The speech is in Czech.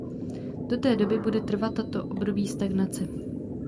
Do té doby bude trvat toto období stagnace.